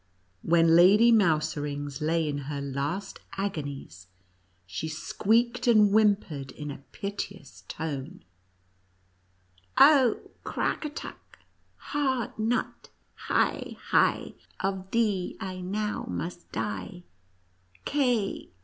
When Lady Mouse rings lay in her last agonies, she squeaked and whimpered in a piteous tone :" Oh, Crackatuck ! hard nut — hi, hi !— of thee I now must die